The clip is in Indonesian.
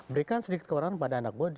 berikan sedikit kewarangan kepada anak buah